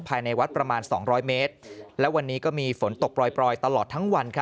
ภายในวัดประมาณ๒๐๐เมตรและวันนี้ก็มีฝนตกปล่อยตลอดทั้งวัน